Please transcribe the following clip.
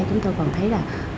chúng tôi còn thấy là